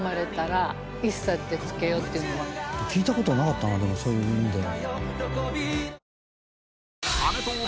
聞いた事なかったなでもそういう意味では。